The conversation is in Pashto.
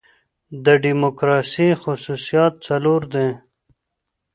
د ډیموکراسۍ خصوصیات څلور دي.